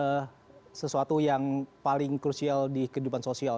dan itu adalah sesuatu yang paling krusial di kehidupan sosial